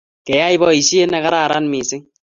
Keyai poisyet ne kararan missing'